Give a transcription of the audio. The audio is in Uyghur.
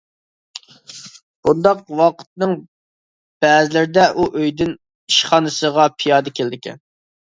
بۇنداق ۋاقىتنىڭ بەزىلىرىدە ئۇ ئۆيىدىن ئىشخانىسىغا پىيادە كېلىدىكەن.